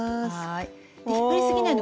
はい。